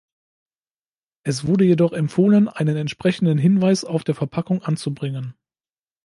Es wurde jedoch empfohlen, einen entsprechenden Hinweis auf der Verpackung anzubringen.